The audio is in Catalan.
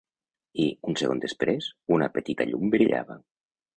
I, un segon després, una petita llum brillava.